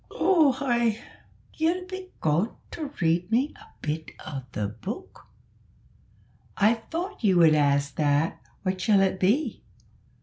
"Oo ay, ye'll be gawin' to read me a bit o' the book?" "I thought you would ask that; what shall it be?"